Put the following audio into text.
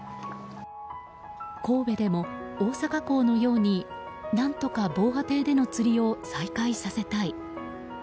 神戸でも大阪港のように何とか防波堤での釣りを再開させたい。